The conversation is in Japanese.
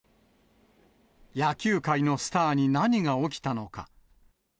野球界のスターに何が起きたのか。